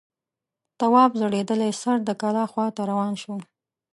تواب ځړېدلی سر د کلا خواته روان شو.